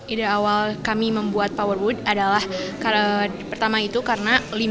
ide awal kami membuat powerwood adalah pertama itu karena lima